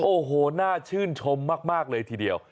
โอ้โหน่าชื่นชมมากเลยทีเดียว